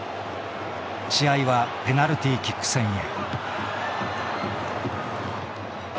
試合はペナルティーキック戦へ。